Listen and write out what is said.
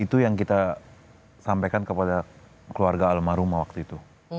itu yang kita sampaikan kepada keluarga almarhum waktu itu